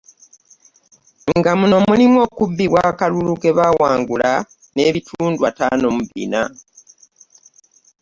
Nga muno mulimu; Okubbibwa kw'akalulu ke baawangula n'ebitundu ataano mu bina